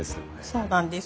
そうなんです。